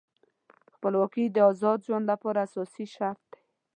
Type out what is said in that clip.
خپلواکي د آزاد ژوند لپاره اساسي شرط دی.